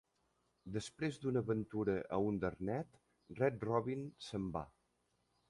Després d'una aventura a Undernet, Red Robin se'n va.